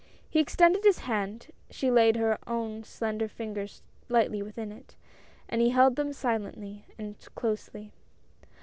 He extended his hand; she laid her own slender fingers lightly within it, and he held them silently and closely.